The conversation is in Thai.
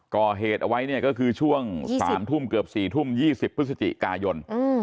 ก่อเหตุเอาไว้เนี่ยก็คือช่วง๓ทุ่มเกือบ๔ทุ่ม๒๐พฤศจิกายน